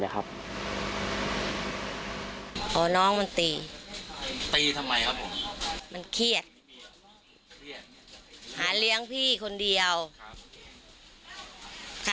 หารียงพี่คนเดียวครับ